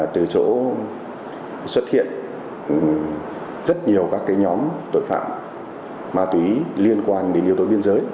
từ chỗ xuất hiện rất nhiều các nhóm tội phạm ma túy liên quan đến yếu tố biên giới